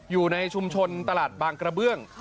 อยู่ในชุมชนตลาดบางกระเบื้อง